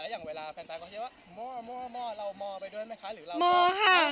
อย่างเวลาแฟนก็คิดว่าเรามอไปด้วยไหมคะหรือเราก็